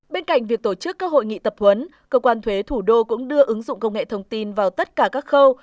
bên cạnh việc tổ chức các hội nghị tập huấn cơ quan thuế thủ đô cũng đưa ứng dụng công nghệ thông tin vào tất cả các khâu